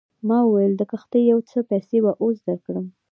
ما وویل د کښتۍ یو څه پیسې به اوس درکړم.